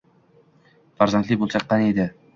Farzandli bo`lsak, qani edi